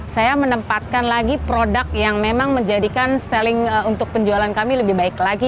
saya menempatkan lagi produk yang memang menjadikan selling untuk penjualan kami lebih baik lagi